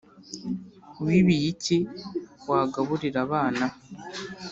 wibiye iki wagaburira abana